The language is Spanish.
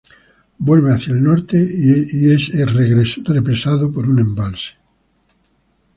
Vuelve hacia el norte y es represado por un embalse.